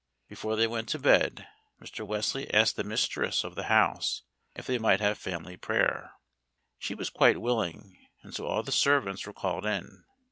Before they went to bed, Mr. Wesley asked the mistress of the house if they might have family prayer. She was quite willing, and so all the servants were called in.